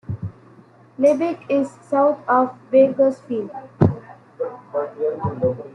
Lebec is south of Bakersfield.